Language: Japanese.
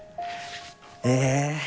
ええ？